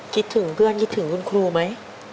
คิดถึงเพื่อนคิดถึงคุณครูไหม